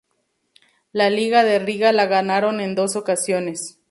La liga de Riga la ganaron en dos ocasiones.